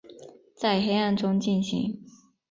在黑暗中进行